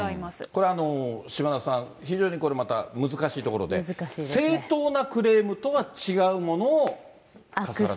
これ、島田さん、非常にこれまた難しいところで、正当なクレームとは違う。